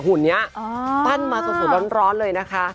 หุ่นนี้ปั้นมาสดร้อนเลยนะคะ